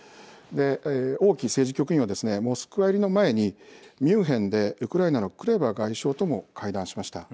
王毅政治局委員はですねモスクワ入りの前にミュンヘンでウクライナのクレバ外相とも会談しました。